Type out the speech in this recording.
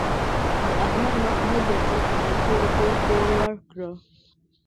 د احمد مخ نه ګرځي؛ يو څو روپۍ پور ورکړه.